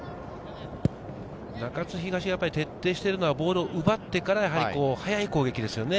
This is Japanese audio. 中津東が徹底しているのはボールを奪ってから、速い攻撃ですよね。